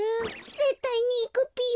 ぜったいにいくぴよ。